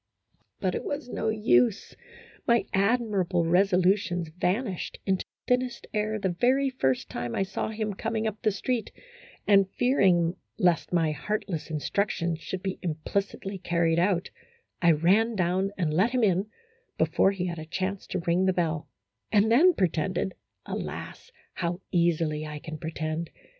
But it was no use, my admirable resolutions van ished into thinnest air the very first time I saw him coming up the street, and, fearing lest my heartless instructions should be implicitly carried out, I ran down and let him in before he had a chance to ring the bell, and then pretended (alas, how easily I can pretend!)